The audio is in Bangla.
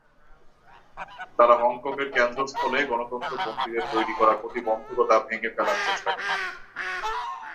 তারা হংকংয়ের কেন্দ্রস্থলে গণতন্ত্রপন্থীদের তৈরি করা প্রতিবন্ধকতা ভেঙে ফেলার চেষ্টা করে।